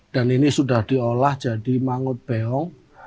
dan ini sudah diolah jadi mangut beong